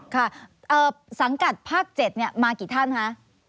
ค่ะสังกัดภาค๗มากี่ท่านคะ